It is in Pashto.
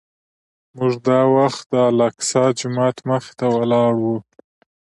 موږ دا وخت د الاقصی جومات مخې ته ولاړ وو.